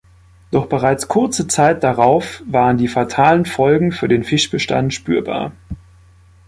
Doch bereits kurze Zeit darauf waren die fatalen Folgen für den Fischbestand spürbar.